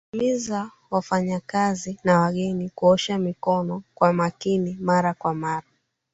Himiza wafanyikazi na wageni kuosha mikono kwa makini mara kwa mara